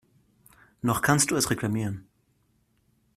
Noch kannst du es reklamieren.